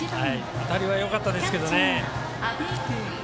当たりはよかったですけどね。